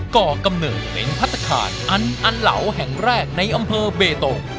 ก็กำเนินเหรียญพัฒนาคารอันอันเหลาแห่งแรกในอำเภอเบตงค์